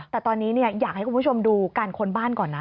แต่ตอนนี้อยากให้คุณผู้ชมดูการค้นบ้านก่อนนะ